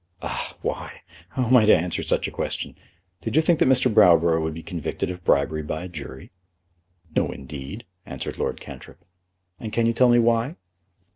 "Ah; why? How am I to answer such a question? Did you think that Mr. Browborough would be convicted of bribery by a jury?" "No, indeed," answered Lord Cantrip. "And can you tell me why?"